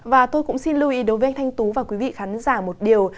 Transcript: và tôi cũng xin lưu ý đối với anh thanh tú và quý vị khán giả một điều